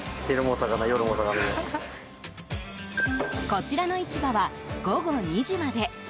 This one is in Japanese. こちらの市場は午後２時まで。